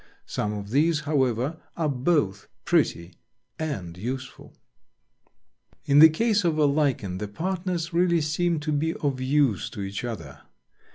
Some of these, however, are both pretty and useful. In the case of a Lichen the partners really seem to be of use to each other.